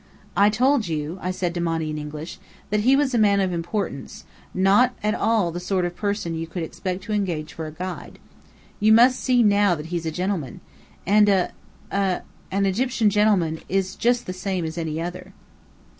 "I told you," I said to Monny in English, "that he was a man of importance, not at all the sort of person you could expect to engage for a guide. You must see now that he's a gentleman. And a a an Egyptian gentleman is just the same as any other."